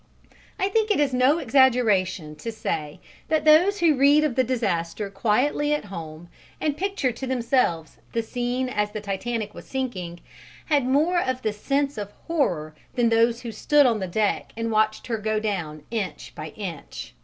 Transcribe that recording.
I think it is no exaggeration to say that those who read of the disaster quietly at home, and pictured to themselves the scene as the Titanic was sinking, had more of the sense of horror than those who stood on the deck and watched her go down inch by inch.